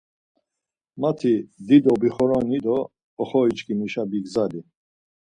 Mati dido bixoroni do oxori çkimişa bigzali.